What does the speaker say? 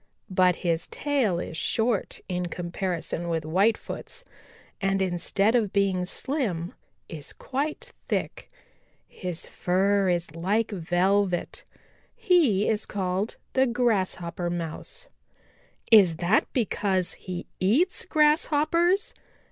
But his tail is short in comparison with Whitefoot's and instead of being slim is quite thick. His fur is like velvet. He is called the Grasshopper Mouse." "Is that because he eats Grasshoppers?"